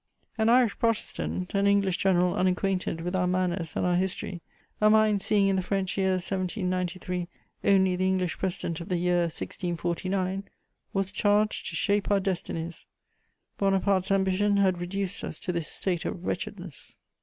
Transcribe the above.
An Irish Protestant, an English general unacquainted with our manners and our history, a mind seeing in the French year 1793 only the English precedent of the year 1649 was charged to shape our destinies! Bonaparte's ambition had reduced us to this state of wretchedness.